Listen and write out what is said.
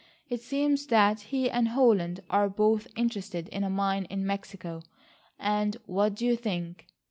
It seems that he and Holland are both interested in a mine in Mexico, and what do you think?"